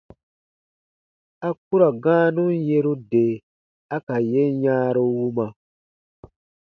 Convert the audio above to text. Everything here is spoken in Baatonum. A ku ra gãanun yeru de a ka yen yãaru wuma.